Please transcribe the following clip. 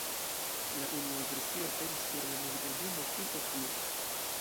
La unua versio aperis sur la muzikalbumo Kind of Blue.